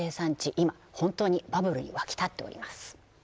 今本当にバブルに沸き立っております